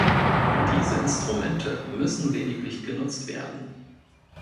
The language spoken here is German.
Diese Instrumente müssen lediglich genutzt werden.